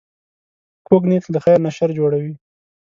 کوږ نیت له خیر نه شر جوړوي